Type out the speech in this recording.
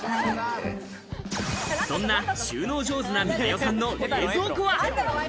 そんな収納上手な美奈代さんの冷蔵庫は？